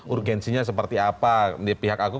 urgensinya seperti apa